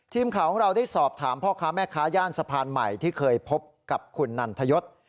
ทีมข่าวของเราได้สอบถามพ่อค้าแม่ค้าย่านสะพานใหม่ที่เคยพบกับคุณนันทยศ